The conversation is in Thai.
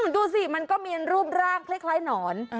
ดูสิมันก็มีรูปร่างคล้ายหนอน